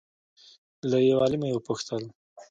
له یو عالمه یې وپوښتل